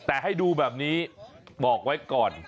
แต่ให้ดูแบบนี้บอกไว้ก่อน